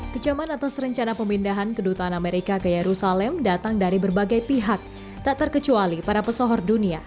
kecaman atas rencana pemindahan kedutaan amerika ke yerusalem datang dari berbagai pihak tak terkecuali para pesohor dunia